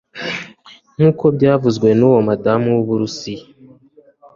nkuko byavuzwe n'uwo mudamu w'uburusiya